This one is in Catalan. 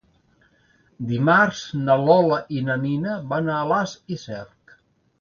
Dimarts na Lola i na Nina van a Alàs i Cerc.